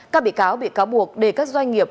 các bị cáo bị cáo buộc để các doanh nghiệp